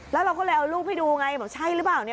แล้วเราก็เลยเอาลูกไปดูไงบอกว่าใช่หรือเปล่า